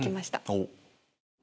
おっ！